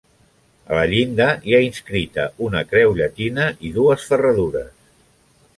A la llinda hi ha inscrita una creu llatina i dues ferradures.